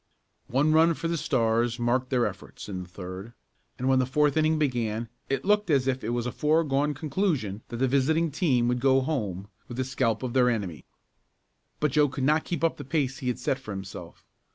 One run for the Stars marked their efforts in the third and when the fourth inning began it looked as if it was a foregone conclusion that the visiting team would go home with the scalp of their enemy. But Joe could not keep up the pace he had set for himself.